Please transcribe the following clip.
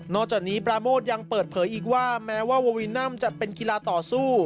จากนี้ปราโมทยังเปิดเผยอีกว่าแม้ว่าโววินัมจะเป็นกีฬาต่อสู้